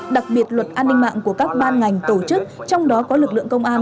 đặc biệt luật an ninh mạng của các ban ngành tổ chức trong đó có lực lượng công an